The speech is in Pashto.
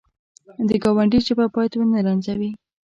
د ګاونډي ژبه باید ونه رنځوي